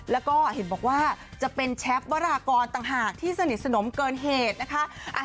แล้วก็เห็นบอกว่าจะเป็นแชทวรากรต่างหากที่สนิทสนมเกินเหตุนะคะ